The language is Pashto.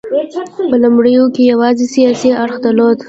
په لومړیو کې یوازې سیاسي اړخ درلود